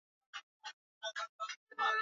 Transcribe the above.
Nyumba ni nzuri sana.